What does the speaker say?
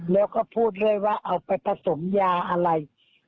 แล้วก็พูดด้วยว่าเอาไปผสมยาอะไร